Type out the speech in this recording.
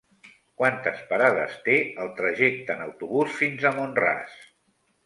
Quantes parades té el trajecte en autobús fins a Mont-ras?